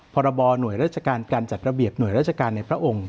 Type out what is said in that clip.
พรบหน่วยราชการการจัดระเบียบหน่วยราชการในพระองค์